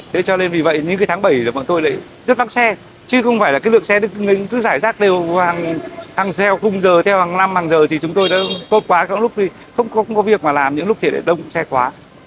thế cho nên vì vậy những cái tháng bảy là bọn tôi lại rất vắng xe chứ không phải là cái lượng xe cứ giải rác đều hàng xe cùng giờ theo hàng năm hàng giờ thì chúng tôi đã khô quá không có việc mà làm những lúc thì lại đông xe quá